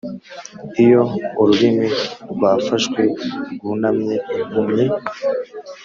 iyo ururimi rwafashwe rwunamye impumyi,